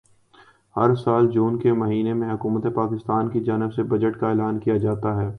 ہر سال جون کے مہینے میں حکومت پاکستان کی جانب سے بجٹ کا اعلان کیا جاتا ہے